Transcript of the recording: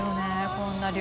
こんな量。